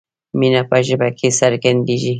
مینه په ژبه کې څرګندیږي.